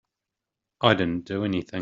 I didn't do anything.